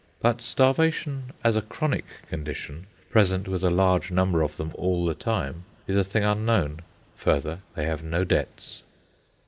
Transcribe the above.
But starvation, as a chronic condition, present with a large number of them all the time, is a thing unknown. Further, they have no debts.